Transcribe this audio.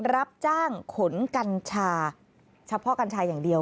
รับจ้างขนกัญชาเฉพาะกัญชาอย่างเดียว